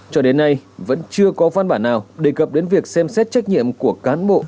cho đến nay vẫn chưa có văn bản nào đề cập đến việc xem xét trách nhiệm của cán bộ